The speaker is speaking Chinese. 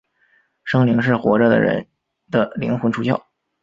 生灵是活着的人的灵魂出窍。